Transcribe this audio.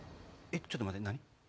えっちょっと何？